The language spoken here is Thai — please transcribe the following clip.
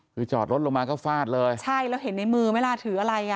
ตอดรถลงมาก็ฟาดเลยใช่แล้วเห็นในมือไม่ลาถืออะไร